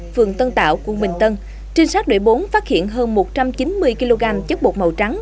phường tân tạo quận bình tân trinh sát đội bốn phát hiện hơn một trăm chín mươi kg chất bột màu trắng